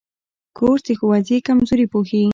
کورس د ښوونځي کمزوري پوښي.